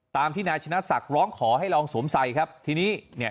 ตามที่นายชนะศักดิ์ร้องขอให้ลองสวมใส่ครับทีนี้เนี่ย